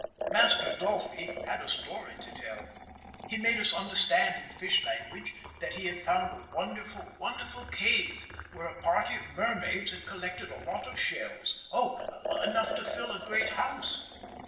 Master Dolphy had a story to tell. He made us understand in fish language that he had found a wonderful, wonderful cave, where a party of mermaids had collected a lot of shells, oh, enough to fill a great house!